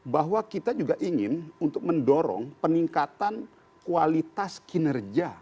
bahwa kita juga ingin untuk mendorong peningkatan kualitas kinerja